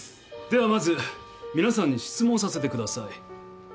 ではまず皆さんに質問させてください。